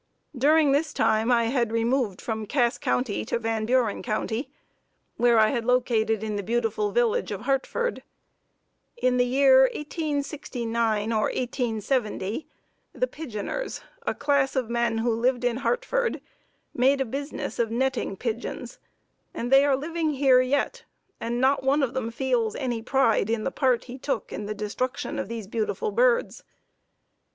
During this time I had removed from Cass County to Van Buren County, where I had located in the beautiful village of Hartford. In the year 1869 or 1870, the pigeoners, a class of men who lived in Hartford, made a business of netting pigeons, and they are living here yet, and not one of them feels any pride in the part he took in the destruction of these beautiful birds.